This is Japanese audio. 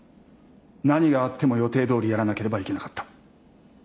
何があっても予定どおりやらなければいけなかった。